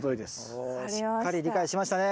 おしっかり理解しましたね。